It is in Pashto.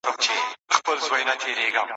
له لیري د جرس ږغونه اورمه زنګېږم